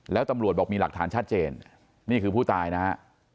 แล้วตำรวจบอกมีหลักฐานชัดเจนนี่คือผู้ตายนะฮะ